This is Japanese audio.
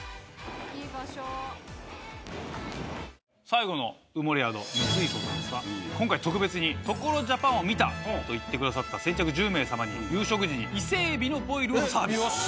最後の埋もれ宿三井荘さんですが今回特別に「所ＪＡＰＡＮ」を見たと言ってくださった先着１０名様に夕食時に伊勢エビのボイルをサービス。